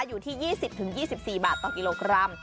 อยู่ที่๒๐๒๔บาทต่อกิโลกรัม